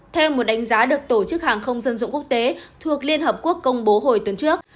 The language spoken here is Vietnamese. theo một đánh giá được tổ chức hàng không dân dụng quốc tế thuộc liên hợp quốc công bố hồi tuần trước